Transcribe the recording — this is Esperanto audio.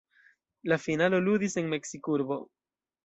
La finalo ludis en Meksikurbo.